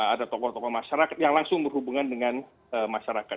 ada tokoh tokoh masyarakat yang langsung berhubungan dengan masyarakat